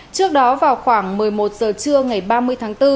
trước đó vào khoảng một mươi một giờ trưa ngày ba mươi tháng bốn